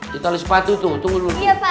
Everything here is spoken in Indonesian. kita le sepatu tuh tunggu dulu